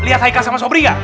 lihat haikal sama sobri gak